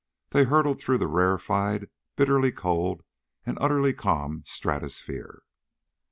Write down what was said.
They hurtled through the rarefied, bitterly cold and utterly calm stratosphere.